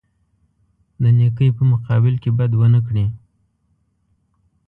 د نیکۍ په مقابل کې بد ونه کړي.